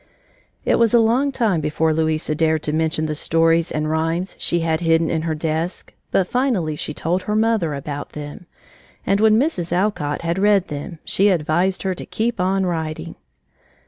It was a long time before Louisa dared to mention the stories and rhymes she had hidden in her desk but finally she told her mother about them, and when Mrs. Alcott had read them, she advised her to keep on writing.